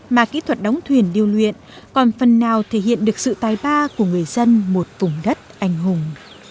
mà kỹ thuật đóng thuyền điêu luyện còn phần nào thể hiện được sự tài ba của người dân một vùng đất anh hùng